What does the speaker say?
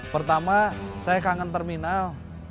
pertama saya kangen terminal